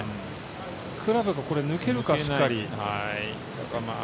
クラブが抜けるかしっかり。